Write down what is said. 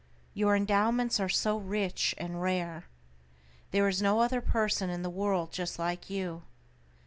Your endowments are so rich and rare. There is no other person in the world just like you.